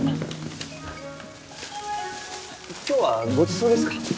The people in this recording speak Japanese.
今日はごちそうですか？